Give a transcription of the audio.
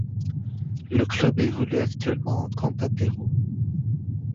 Le club évolue actuellement en Copa Perú.